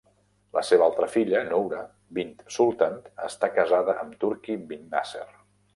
La seva altra filla, Noura bint Sultan, està casada amb Turki bin Nasser.